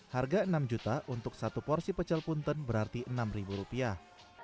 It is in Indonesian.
harga enam juta untuk satu porsi pecel punten berarti enam ribu rupiah